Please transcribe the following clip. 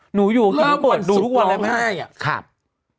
หนูอยู่กินเมื่อวันศุกร์หลายอะค่ะราบบ่นสุดหลายอะ